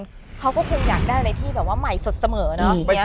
และพวกมันเค้าก็คืออยากได้อะไรที่แบบว่าใหม่สดเสมอนะ